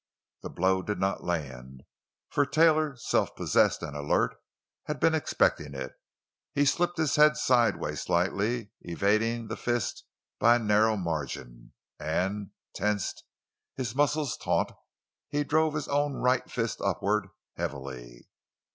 The blow did not land, for Taylor, self possessed and alert, had been expecting it. He slipped his head sidewise slightly, evading the fist by a narrow margin, and, tensed, his muscles taut, he drove his own right fist upward, heavily.